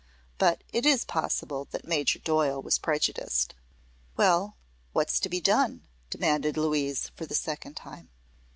But it is possible that Major Doyle was prejudiced. "Well, what's to be done?" demanded Louise, for the second time.